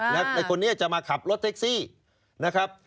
ในคนนี้จะมาขับรถแท็กซี่นะครับ